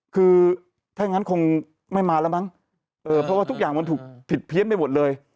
คือถ้างั้นคงไม่มาแล้วมั้งเพราะว่าทุกอย่างมันถูกผิดเพี้ยนไปหมดเลย